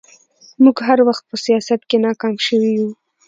موږ هر وخت په سياست کې ناکام شوي يو